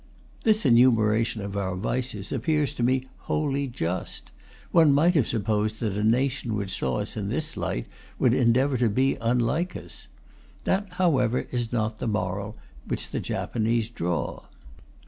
This enumeration of our vices appears to me wholly just. One might have supposed that a nation which saw us in this light would endeavour to be unlike us. That, however, is not the moral which the Japanese draw.